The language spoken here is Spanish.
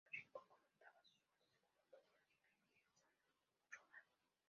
Torrico comandaba sus fuerzas secundado por el general Miguel de San Román.